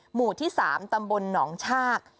หมู่ที่๓ตำบลหนองชาก